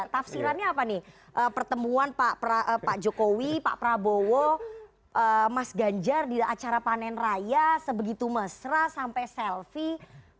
tafsirannya apa nih pertemuan pak jokowi pak prabowo mas ganjar di acara panen raya sebegitu mesra sampai selfie